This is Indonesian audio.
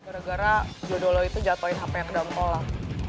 gara gara jodoh lo itu jatohin hape yang ke dalam tol lah